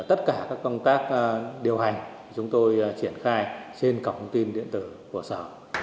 tất cả các công tác điều hành chúng tôi triển khai trên cổng thông tin điện tử của sở